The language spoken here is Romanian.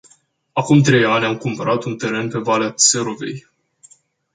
Acum trei ani am cumpărat un teren pe valea Țerovei.